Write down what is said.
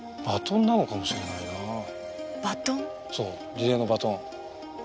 リレーのバトン。